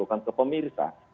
bukan ke pemirsa